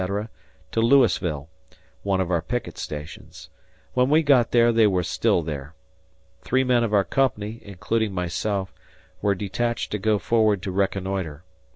to Lewisville, one of our picket stations; when we got there they were still there. Three men of our Company (including myself) were detached to go forward to reconnoitre.